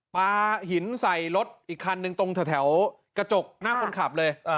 ปลาหินใส่รถอีกคันหนึ่งตรงแถวกระจกหน้าคนขับเลย